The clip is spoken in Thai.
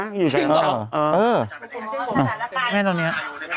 ก็มีทั้งนี้เนี่ย